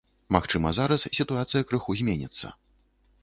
Магчыма, зараз сітуацыя крыху зменіцца.